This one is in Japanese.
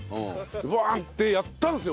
バンッてやったんですよ